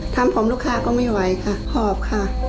ทำผมลูกค้าก็ไม่ไหวค่ะหอบค่ะ